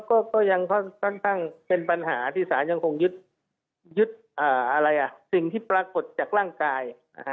ก็ยังค่อนข้างเป็นปัญหาที่สารยังคงยึดสิ่งที่ปรากฏจากร่างกาย